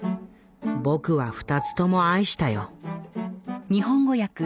僕は２つとも愛したよ」。